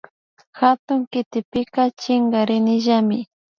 Hatun kitipika chinkarinillami